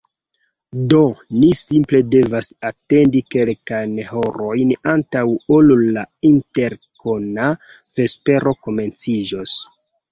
Do, ni simple devas atendi kelkajn horojn antaŭ ol la interkona vespero komenciĝos